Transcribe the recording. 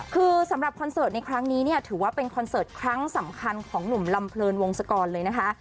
คือสำหรับคอนเสิร์ตในครั้งนี้เนี่ยถือว่าเป็นคอนเสิร์ตครั้งสำคัญของหนุ่มลำเพลินวงศกรเลยนะคะ